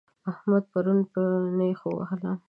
احمد پرون په نېښ ووهلم